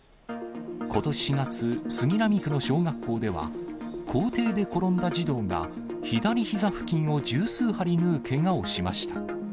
ことし４月、杉並区の小学校では、校庭で転んだ児童が、左ひざ付近を１０数針縫うけがをしました。